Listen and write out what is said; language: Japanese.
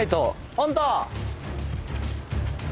ホント？